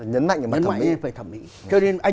nhấn mạnh là phải thẩm mỹ